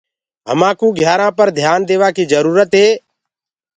همآ ڪوُ گھيآرآنٚ پر ڌيآن ديوآ ڪي جروُرت هي۔